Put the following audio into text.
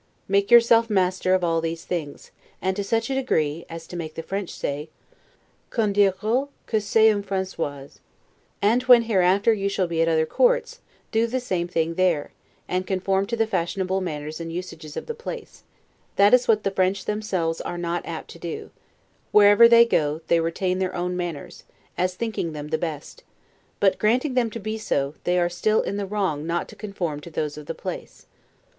Make yourself master of all these things; and to such a degree, as to make the French say, 'qu'on diroit que c'est un Francois'; and when hereafter you shall be at other courts, do the same thing there; and conform to the fashionable manners and usage of the place; that is what the French themselves are not apt to do; wherever they go, they retain their own manners, as thinking them the best; but, granting them to be so, they are still in the wrong not to conform to those of the place.